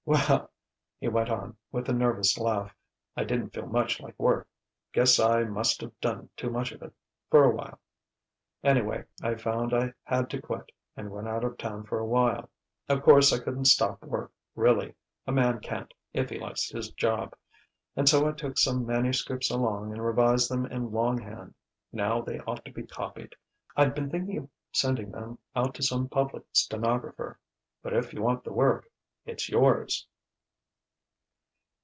"Well!" he went on with a nervous laugh "I didn't feel much like work. Guess I must've done too much of it, for a while. Anyway, I found I had to quit, and went out of town for a while. Of course I couldn't stop work really a man can't, if he likes his job and so I took some manuscripts along and revised them in long hand. Now they ought to be copied I'd been thinking of sending them out to some public stenographer but if you want the work, it's yours."